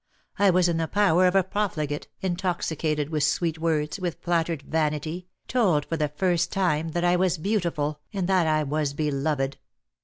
I was in the power of a profligate, intoxicated with sweet words, with flattered vanity, told for the first time that I was beautiful, and that I was beloved.